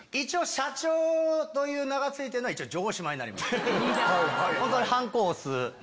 社長という名が付いてるのは城島になります。